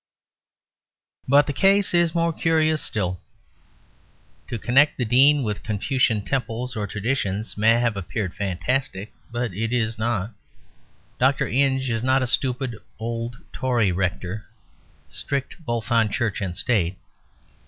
But the case is more curious still. To connect the Dean with Confucian temples or traditions may have appeared fantastic; but it is not. Dr. Inge is not a stupid old Tory Rector, strict both on Church and State.